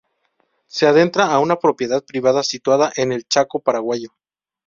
Se adentra a una propiedad privada situada en el chaco paraguayo.